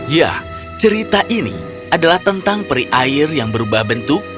ya cerita ini adalah tentang peri air yang berubah bentuk